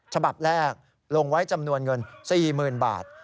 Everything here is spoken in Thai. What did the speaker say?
ฉบับแรกลงไว้จำนวนเงิน๔๐๐๐บาท